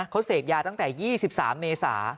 เขาเสพยาตั้งแต่๒๓เมษา